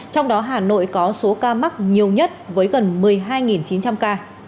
trong đó hà nội có số ca mắc nhiều nhất với gần một mươi hai chín trăm linh ca